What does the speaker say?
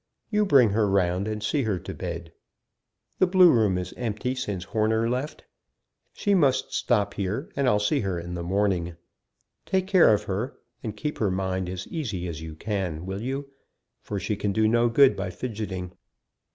You bring her round, and see her to bed. The blue room is empty since Horner left. She must stop here, and I'll see her in the morning. Take care of her, and keep her mind as easy as you can, will you, for she can do no good by fidgeting."